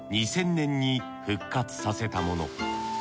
２０００年に復活させたもの。